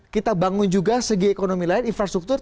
kita bangun juga segi ekonomi lain infrastruktur